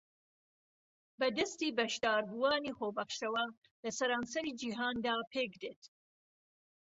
بە دەستی بەشداربووانی خۆبەخشەوە لە سەرانسەری جیھاندا پێکدێت